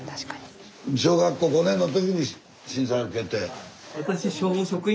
小学校５年の時に震災受けて。